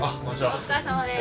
お疲れさまです。